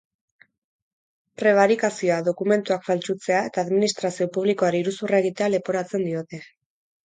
Prebarikazioa, dokumentuak faltsutzea eta administrazio publikoari iruzurra egitea leporatzen diote.